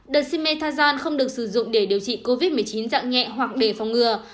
dexamethasone không được sử dụng để điều trị covid một mươi chín dặn nhẹ hoặc để phòng ngừa